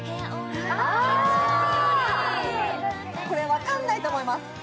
これ分かんないと思います